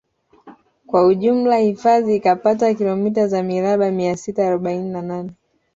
Kwa ujumla hifadhi ikapata kilomita za mraba mia sita arobaini na nane